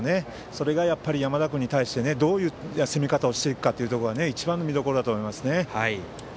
それが山田君に対してどういう攻め方をしていくかが一番の見どころだと思います。